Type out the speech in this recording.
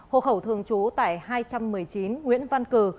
hộ khẩu thường trú tại hai trăm một mươi chín nguyễn văn cử